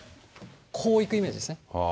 こう行くイメージですね。